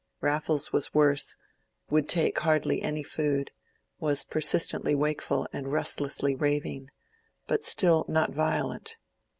Raffles was worse, would take hardly any food, was persistently wakeful and restlessly raving; but still not violent.